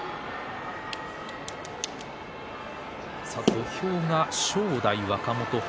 土俵が正代、若元春。